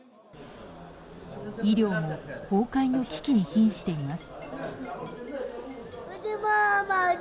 医療も崩壊の危機に瀕しています。